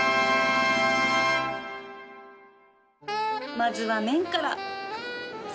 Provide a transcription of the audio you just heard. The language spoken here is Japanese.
まずは麺から